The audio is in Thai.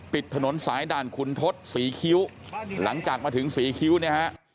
ปิดถนนสายด่านขุนทศศรีคิ้วหลังจากมาถึงศรีคิ้วเนี่ยฮะ